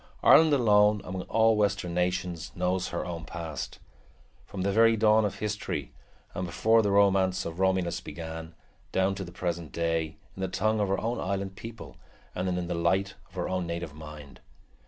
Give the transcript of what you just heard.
Ireland alone among all western nations knows her own past, from the very dawn of history and before the romance of Romulus began, down to the present day, in the tongue of her own island people and in the light of her own native mind.